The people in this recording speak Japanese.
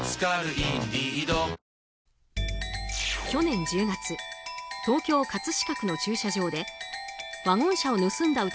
去年１０月東京・葛飾区の駐車場でワゴン車を盗んだ